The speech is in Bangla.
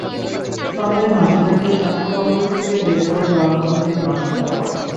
তবে মাজেদাকে স্বাস্থ্য কমপ্লেক্স থেকে বের করে দেওয়ার কথা তিনি অস্বীকার করেন।